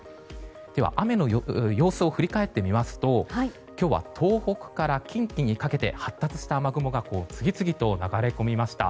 では、雨の様子を振り返ってみますと今日は東北から近畿にかけて発達した雨雲が次々と流れ込みました。